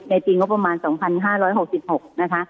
ในจริงว่าประมาณ๒๕๖๖นะคะ